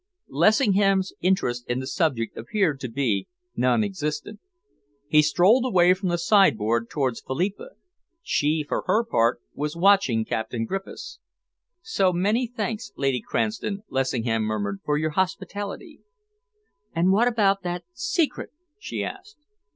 Lessingham's interest in the subject appeared to be non existent. He strolled away from the sideboard towards Philippa. She, for her part, was watching Captain Griffiths. "So many thanks, Lady Cranston," Lessingham murmured, "for your hospitality." "And what about that secret?" she asked.